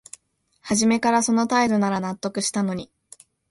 はじめからその態度なら納得したのに